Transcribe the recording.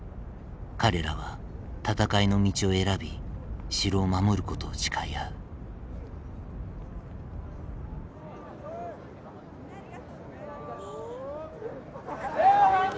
彼らは戦いの道を選び城を守ることを誓い合う。